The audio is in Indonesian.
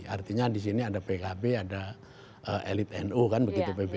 artinya di sini ada pkb ada elit nu kan begitu pbb